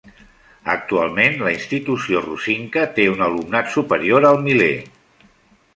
Actualment la institució rosinca té un alumnat superior al miler.